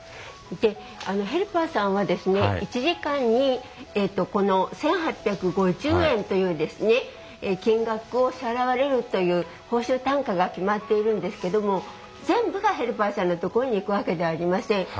ヘルパーさんは１時間に１８５０円という金額を支払われるという報酬単価が決まっているんですけども全部がヘルパーさんのところにいくわけではありません。